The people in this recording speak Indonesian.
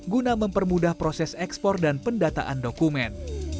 guna mempermudah proses ekspor dan pendataan dokumen